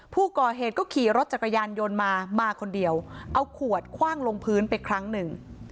ผู้ก่อเหตุก็ขี่รถจักรยานยนต์มามาคนเดียวเอาขวดคว่างลงพื้นไปครั้งหนึ่ง